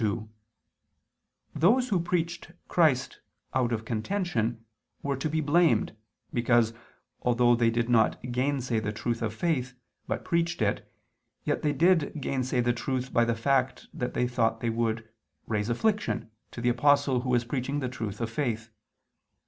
2: Those who preached Christ "out of contention," were to be blamed, because, although they did not gainsay the truth of faith, but preached it, yet they did gainsay the truth, by the fact that they thought they would "raise affliction" to the Apostle who was preaching the truth of faith.